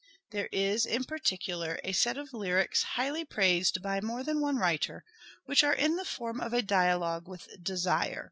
There is, in particular, a set of lyrics highly praised by more than one writer, which are in the form of a dialogue with " Desire."